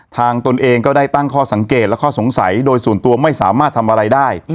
ตนเองก็ได้ตั้งข้อสังเกตและข้อสงสัยโดยส่วนตัวไม่สามารถทำอะไรได้